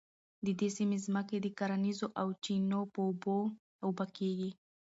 د دې سیمې ځمکې د کاریزونو او چینو په اوبو اوبه کیږي.